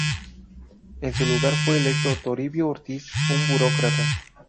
En su lugar fue electo Toribio Ortiz, un burócrata.